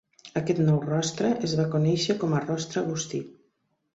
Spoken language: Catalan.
Aquest "Nou Rostra" es va conèixer com a Rostra Augusti.